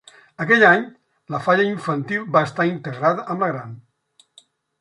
Aquell any, la falla infantil va estar integrada amb la gran.